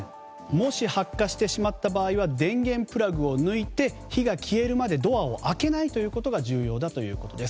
もし発火してしまった場合は電源プラグを抜いて火が消えるまでドアを開けないということが重要だということです。